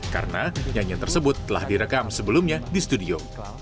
karena nyanyian tersebut telah direkam sebelumnya di studio